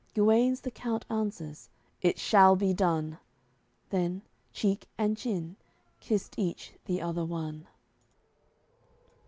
Guenes the count answers: "It shall be done." Then, cheek and chin, kissed each the other one.